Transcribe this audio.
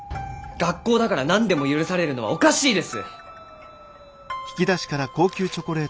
学校だから何でも許されるのはおかしいです！